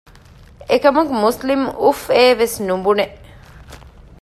އެކަމަކު މުސްލިމް އުފްއޭވެސް ނުބުނެ